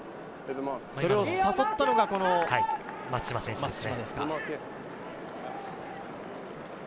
それを誘ったのが松島選手です。